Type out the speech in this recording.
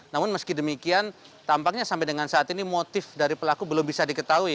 namun meski demikian tampaknya sampai dengan saat ini motif dari pelaku belum bisa diketahui